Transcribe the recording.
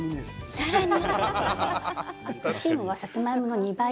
さらに。